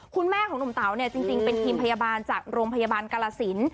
คุณแม่ของหนุ่มเต๋าเนี่ยจริงเป็นทีมพยาบาลจากโรงพยาบาลกาลสิน